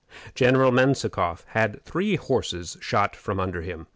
General Menzikoff had three horses shot under him.